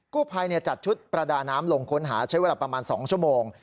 ผู้ภัยจัดชุดประดาน้ำลงค้นหาใช้เวลาประมาณ๒ชั่วโมง